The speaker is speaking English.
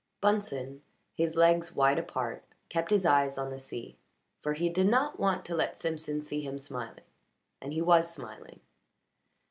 Bunsen, his legs wide apart, kept his eyes on the sea, for he did not want to let Simpson see him smiling, and he was smiling.